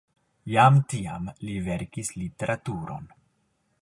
Jam tiam li verkis literaturon.